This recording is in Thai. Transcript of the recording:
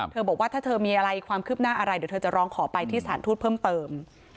บอกว่าถ้าเธอมีอะไรความคืบหน้าอะไรเดี๋ยวเธอจะร้องขอไปที่สถานทูตเพิ่มเติม